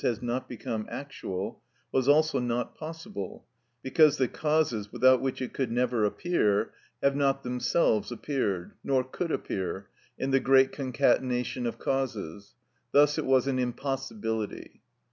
_, has not become actual, was also not possible, because the causes without which it could never appear have not themselves appeared, nor could appear, in the great concatenation of causes; thus it was an impossibility.